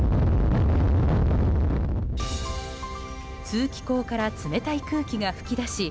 通気口から冷たい空気が吹き出し